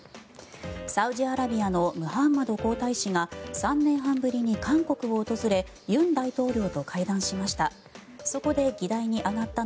サウジアラビアのムハンマド皇太子が３年半ぶりに韓国を訪れ尹大統領と会談しました。